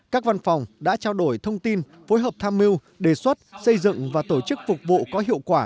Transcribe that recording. các văn phòng đã trao đổi thông tin phối hợp tham mưu đề xuất xây dựng và tổ chức phục vụ có hiệu quả